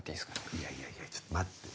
いやいやいやちょっと待って。